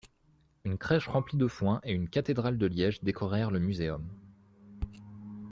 Une crèche remplie de foin et une cathédrale de liège décorèrent le muséum.